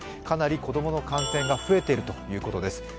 かなり子供の感染が増えているということです。